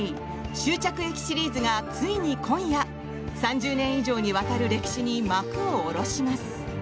「終着駅シリーズ」がついに今夜３０年以上にわたる歴史に幕を下ろします。